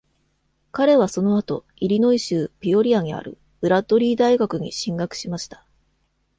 彼はその後、イリノイ州ピオリアにあるブラッドリー大学に進学しました。